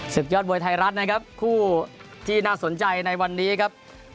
ยอดมวยไทยรัฐนะครับคู่ที่น่าสนใจในวันนี้ครับ